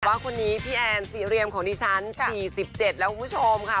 ว่าคนนี้พี่แอนสี่เรียมของดิฉัน๔๗แล้วคุณผู้ชมค่ะ